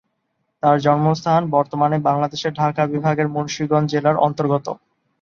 তার জন্মস্থান বর্তমানে বাংলাদেশের ঢাকা বিভাগের মুন্সিগঞ্জ জেলার অন্তর্গত।